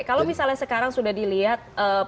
kalau misalnya sekarang sudah dilihat